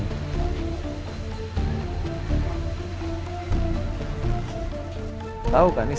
inner thrive kehorang sekali